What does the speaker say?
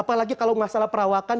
apalagi kalau masalah perawakan